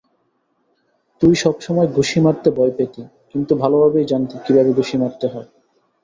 তুই সবসময় ঘুষি মারতে ভয় পেতি, কিন্তু ভালোভাবেই জানতি কীভাবে ঘুষি মারতে হয়।